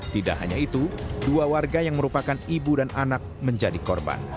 tidak hanya itu dua warga yang merupakan ibu dan anak menjadi korban